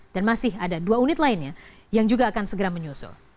dan masih ada dua unit lainnya yang juga akan segera menyusul